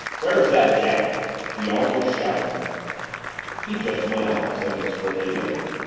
"Where's that Jap?" he almost shouted. "He just went out," said Miss Cornelia.